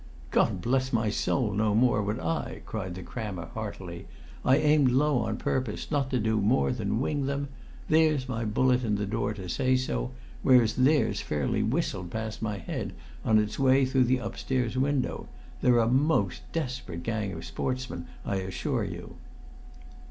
"God bless my soul, no more would I!" cried the crammer heartily. "I aimed low on purpose not to do more than wing them; there's my bullet in the door to say so, whereas theirs fairly whistled past my head on its way through that upstairs window. They're a most desperate gang of sportsmen, I assure you."